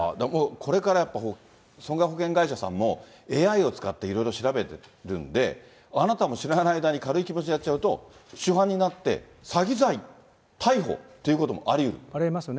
これからやっぱ損害保険会社さんも、ＡＩを使っていろいろ調べてるんで、あなたも知らない間に、軽い気持ちでやっちゃうと、主犯になって、詐欺罪、ありえますよね。